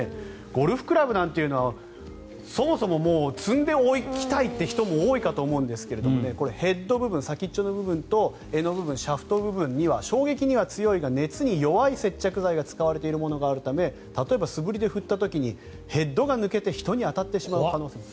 ゴルフクラブなんていうのはそもそも積んでおきたいという人も多いかと思うんですがヘッド部分、先の部分と柄の部分、シャフトの部分には衝撃には強いが熱には弱い接着剤が使われている可能性があるので例えば、素振りで振った時にヘッドが抜けて人に当たってしまう可能性も。